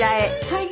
はい。